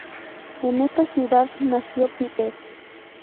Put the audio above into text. En esta ciudad nació Peter.